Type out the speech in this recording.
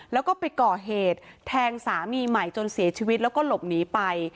แล้วก็ไปก่อเหตุแทงสามีใหม่จนเสียชีวิตแล้วก็หลบหนีไป